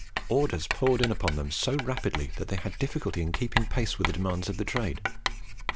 Orders poured in upon them so rapidly, that they had difficulty in keeping pace with the demands of the trade.